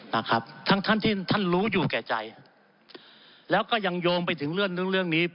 นะครับทั้งท่านที่ท่านรู้อยู่แก่ใจแล้วก็ยังโยงไปถึงเรื่องนู้นเรื่องนี้